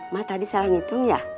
mak tadi salah ngitung ya